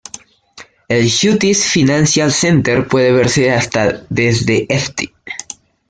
El Southeast Financial Center puede verse hasta desde Ft.